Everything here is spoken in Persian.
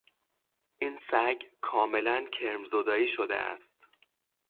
این سگ کاملا کرمزدایی شده است.